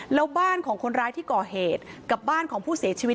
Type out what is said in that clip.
แล้วบ้านของคนร้ายที่ก่อเหตุกับบ้านของผู้เสียชีวิต